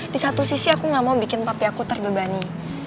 di satu sisi aku gak mau bikin papi aku terbebani